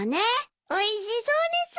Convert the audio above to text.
おいしそうです！